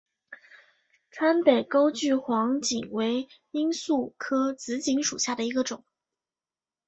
川北钩距黄堇为罂粟科紫堇属下的一个种。